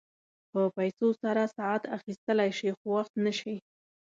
په پیسو سره ساعت اخيستلی شې خو وخت نه شې.